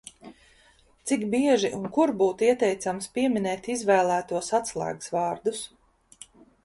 Cik bieži un kur būtu ieteicams pieminēt izvēlētos atslēgas vārdus?